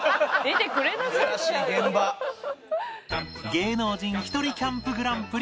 芸能人ひとりキャンプグランプリ